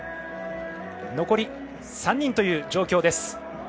残り３人という状況です。